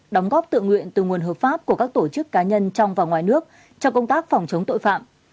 đóng góp tự nguyện từ nguồn hợp pháp của các tổ chức cá nhân trong và ngoài nước cho công tác phòng chống tội phạm